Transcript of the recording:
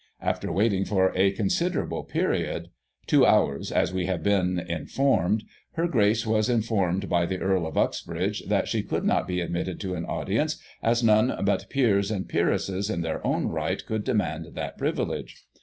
After waiting for a considerable period (two hours, as we have been in formed), her Grace was informed by the Earl of Uxbridge, that she could not be admitted to an audience, as none but Peers cind Peeresses in their own right could demand that privilege.